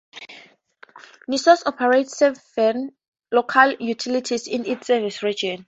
NiSource operates seven local utilities in its service region.